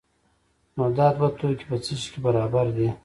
نو دا دوه توکي په څه شي کې برابر دي؟